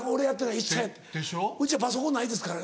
一切うちはパソコンないですからね。